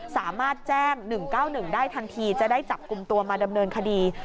สามารถแจ้ง๑๙๑ได้ทันทีจะได้จับกลุ่มตัวมาดำเนินคดี